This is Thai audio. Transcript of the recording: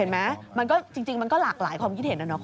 มันก็หลากหลายความคิดเห็นแล้วคุณ